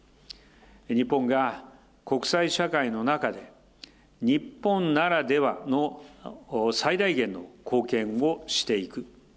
日本が国際社会の中で、日本ならではの最大限の貢献をしていく。